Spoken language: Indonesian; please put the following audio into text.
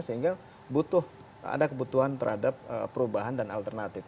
sehingga butuh ada kebutuhan terhadap perubahan dan alternatif